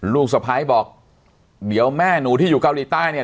ลูกสะพ้ายบอกเดี๋ยวแม่หนูที่อยู่เกาหลีใต้เนี่ย